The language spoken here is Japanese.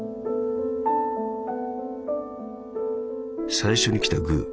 「最初に来たグー。